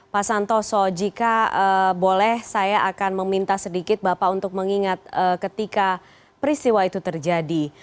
pak santoso jika boleh saya akan meminta sedikit bapak untuk mengingat ketika peristiwa itu terjadi